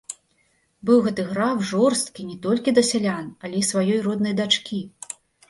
Быў гэты граф жорсткі не толькі да сялян, але і сваёй роднай дачкі.